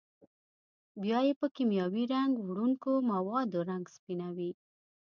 بیا یې په کېمیاوي رنګ وړونکو موادو رنګ سپینوي.